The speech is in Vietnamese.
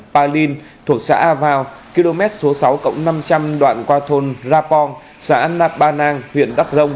palin thuộc xã a vào km số sáu năm trăm linh đoạn qua thôn rapong xã an nạp ba nang huyện đắk rông